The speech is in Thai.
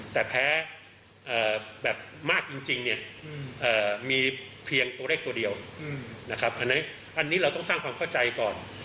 แต่แพ้แบบมากจริงเนี่ยมีเพียงตัวเลขตัวเดียวนะครับอันนั้นอันนี้เราต้องสร้างความเข้าใจก่อน